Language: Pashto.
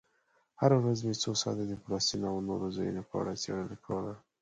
هره ورځ مې څو ساعته د فلسطین او نورو ځایونو په اړه څېړنه کوله.